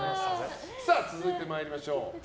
続いてまいりましょう。